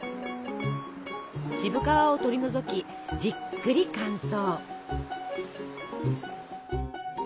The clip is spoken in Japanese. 渋皮を取り除きじっくり乾燥。